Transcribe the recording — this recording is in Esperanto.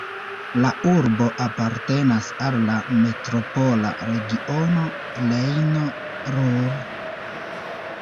La urbo apartenas al la Metropola regiono Rejno-Ruhr.